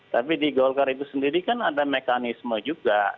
tapi di golkar itu sendiri kan ada mekanisme juga